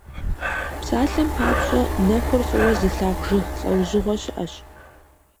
Псалъэм папщӀэ, нэхур фӀыуэ зылъагъу жыг лӀэужьыгъуэ щыӀэщ.